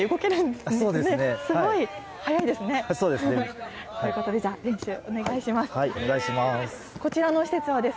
すごい速いですね。ということで、練習、お願いお願いします。